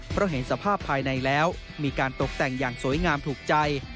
เพราะเห็นสภาพภายในแล้วมีการตกแต่งอย่างสวยงามถูกใจ